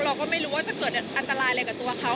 เราก็ไม่รู้ว่าจะเกิดอันตรายอะไรกับตัวเขา